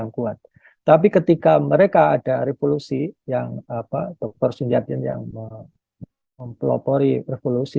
kuat tapi ketika mereka ada revolusi yang apa dokter sunjatin yang mempelopori revolusi